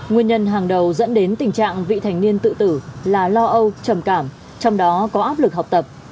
nguyên nhân hàng đầu dẫn đến tình trạng vị thành niên tự tử là lo âu trầm cảm trong đó có áp lực học tập